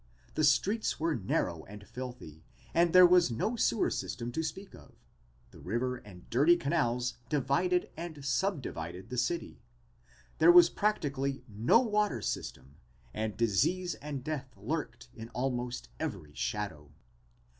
The streets were narrow and filthy and there was no sewer system to speak of. The river and dirty canals divided and subdivided the city. There was practically no water system and disease and death lurked in almost every shadow.